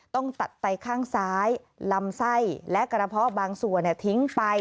ต้องตัดไตข้างซ้ายลำไส้และกระเพาะบางส่วนทิ้งไป